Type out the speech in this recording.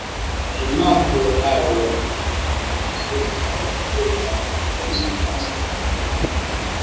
Ulemavu walau wa mguu mmoja ni dalili ya ugonjwa wa kuoza kwato kwa ngombe